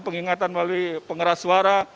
pengingatan melalui pengeras suara